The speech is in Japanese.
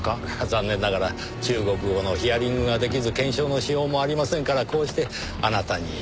残念ながら中国語のヒアリングが出来ず検証のしようもありませんからこうしてあなたに直接。